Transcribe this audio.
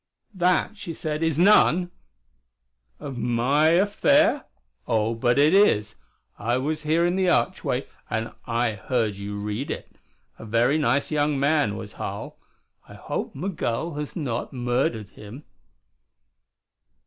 "That," she said, "is none " "Of my affair? Oh, but it is. I was here in the archway and I heard you read it. A very nice young man, was Harl. I hope Migul has not murdered him."